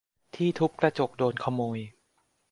ที่ทุบกระจกโดนขโมย !